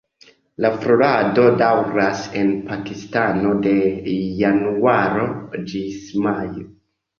La florado daŭras en Pakistano de januaro ĝis majo.